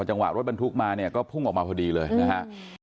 ระหว่างว่ารถบรรทุกมาก็พุ่งออกมาพอดีเลยนะฮะ